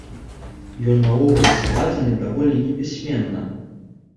Ён наогул складзены даволі непісьменна.